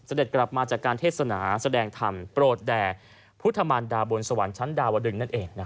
เสด็จกลับมาจากการเทศนาแสดงธรรมโปรดแด่พุทธมันดาบวนสวรรค์ชั้นดาวดึง